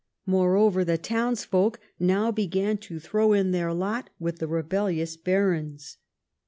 Moreover, the townsfolk now began to throw in their lot with the rebellious barons.